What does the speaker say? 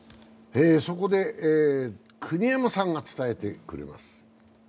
そこで、国山さんが伝えてくれます。